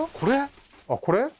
あっこれ？